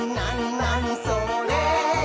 なにそれ？」